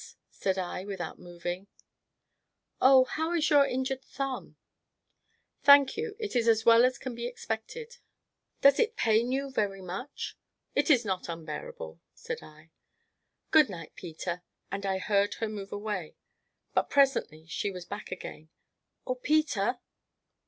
said I, without moving. "Oh, how is your injured thumb?" "Thank you, it is as well as can be expected." "Does it pain you very much?" "It is not unbearable!" said I. "Good night, Peter!" and I heard her move away. But presently she was back again. "Oh, Peter?"